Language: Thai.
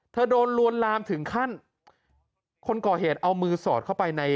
โดนลวนลามถึงขั้นคนก่อเหตุเอามือสอดเข้าไปใน